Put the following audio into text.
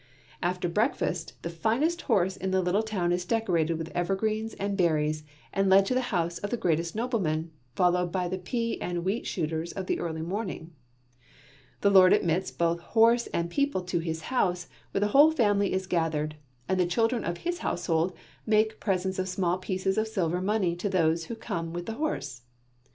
After breakfast, the finest horse in the little town is decorated with evergreens and berries and led to the house of the greatest nobleman, followed by the pea and wheat shooters of the early morning. The lord admits both horse and people to his house, where the whole family is gathered, and the children of his household make presents of small pieces of silver money to those who come with the horse.